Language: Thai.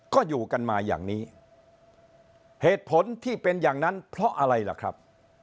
ก็อยู่กันมาอย่างนี้เหตุผลที่เป็นอย่างนั้นเพราะอะไรล่ะครับ